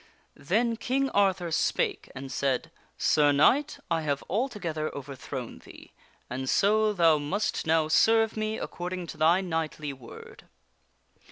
Then King Arthur spake and said :" Sir Knight, I have altogether over thrown thee, and so thou must now serve me according to thy knightly word."